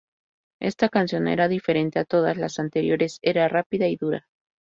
Esta canción era diferente a todas la anteriores, era rápida y dura.